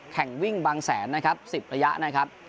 แข่งวิ่งบางแสนนะครับ๑๐ระยะนะครับ